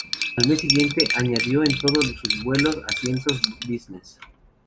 Al mes siguiente, añadió en todos sus vuelos, asientos business.